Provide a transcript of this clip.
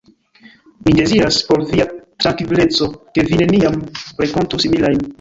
Mi deziras, por via trankvileco, ke vi neniam renkontu similajn.